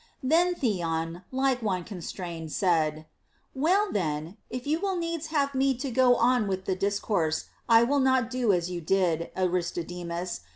25. Then Theon, like one constrained, said : Well then, if you will needs have me to go on with the discourse, I will not do as you did, Aristodemus.